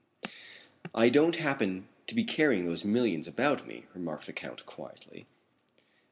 "I don't happen to be carrying those millions about me," remarked the Count quietly.